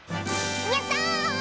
やった！